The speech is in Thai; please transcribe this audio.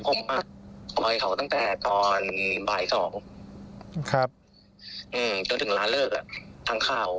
ผมอ่ะปล่อยเขาตั้งแต่ตอนบ่ายสองครับอืมจนถึงร้านเลิกอ่ะทางเขา